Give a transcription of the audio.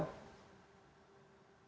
jadi ini data